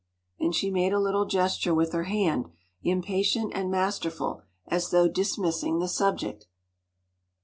” And she made a little gesture with her hand, impatient and masterful, as though dismissing the subject.